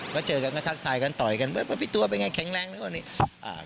ก็เจอกันก็ทักทายกันต่อยกันว่าพี่ตัวเป็นไงแข็งแรงแล้ววันนี้